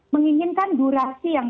menginginkan durasi yang